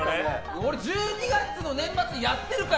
俺、１２月の年末にロケやってるから！